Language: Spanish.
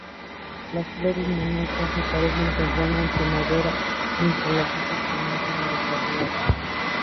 Las flores monoicas aparecen temprano en primavera mientras las hojas comienzan a desarrollarse.